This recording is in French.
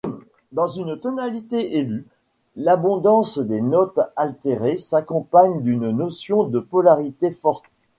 Dans une tonalité élue, l’abondance des notes altérées s’accompagne d’une notion de polarité forte.